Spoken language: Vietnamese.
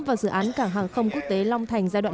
và dự án cảng hàng không quốc tế long thành giai đoạn một